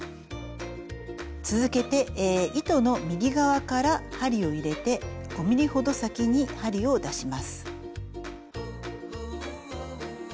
続けて糸の右側から針を入れて５ｍｍほど先に針を出します。